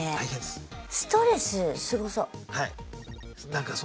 ストレスすごそう。